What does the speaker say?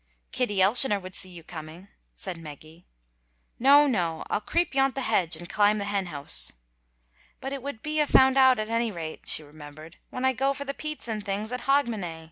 "Kitty Elshioner would see you coming," said Meggy. "No, no, I'll creep yont the hedge and climb the hen house." "But it would be a' found out at any rate," she remembered, "when I go for the peats and things at Hogmanay."